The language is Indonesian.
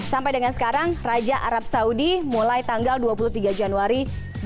sampai dengan sekarang raja arab saudi mulai tanggal dua puluh tiga januari dua ribu dua puluh